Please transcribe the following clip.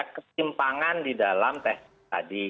kesimpangan di dalam testing